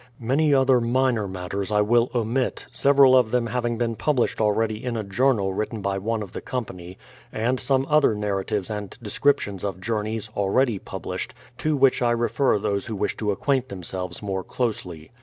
Many other minor matters I will omit, several of them having been published already in a journal written by one of the company; and some other narratives and descriptions of journeys, already published, to which I refer those who wish to acquaint themselves more closely.